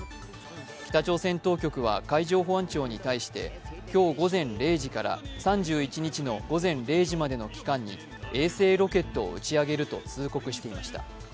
北朝鮮当局は海上保安庁に対して今日午前０時から３１日の午前０時までの期間に衛星ロケットを打ち上げると通告していました